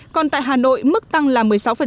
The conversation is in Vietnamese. còn tại hà nội mức tăng là một mươi sáu